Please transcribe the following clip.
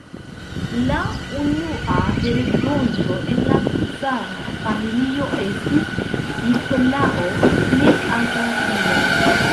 La unua heredonto en la cara familio estis "Nikolao", plej aĝa filo.